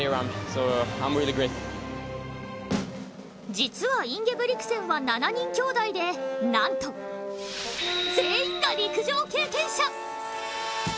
実はインゲブリクセンは７人兄弟でなんと全員が陸上経験者。